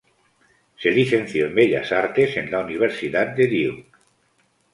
Se licenció en Bellas Artes en la universidad de Duke.